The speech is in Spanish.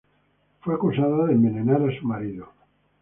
Fue acusada de envenenar a su marido.